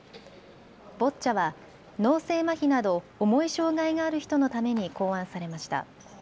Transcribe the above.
ボッチャは脳性まひなど重い障害がある人のために考案されました。